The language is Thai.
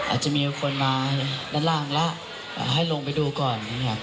อาจจะมีคนมาด้านล่างแล้วให้ลงไปดูก่อน